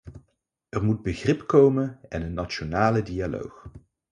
Er moet begrip komen en een nationale dialoog.